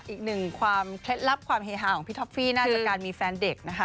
อีกหนึ่งความเคล็ดลับความเฮฮาของพี่ท็อฟฟี่น่าจะการมีแฟนเด็กนะคะ